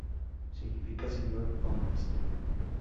Significa "Señor" o "Maestro".